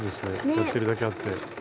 やってるだけあって。